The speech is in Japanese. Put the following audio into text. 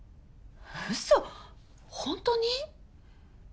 ウソ本当に？